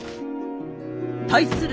対する